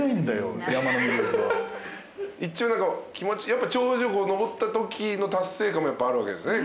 やっぱ頂上登ったときの達成感もあるわけですね。